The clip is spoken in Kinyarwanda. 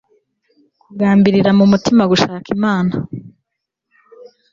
ukagambirira mu mutima gushaka Imana